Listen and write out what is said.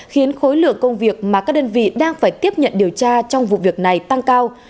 khiến khối lượng công việc mà các đơn vị đang phải tiếp nhận điều tra trong vụ việc này tăng cao